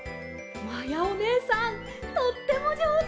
まやおねえさんとってもじょうずです！